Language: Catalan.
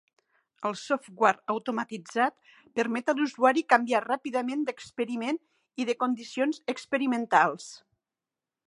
El software automatitzat permet a l'usuari canviar ràpidament d'experiment i de condicions experimentals.